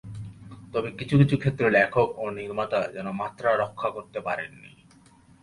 তবে কিছু কিছু ক্ষেত্রে লেখক ও নির্মাতা যেন মাত্রা রক্ষা করতে পারেননি।